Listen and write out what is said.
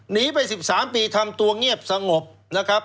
หนีไป๑๓ปีทำตัวเงียบสงบ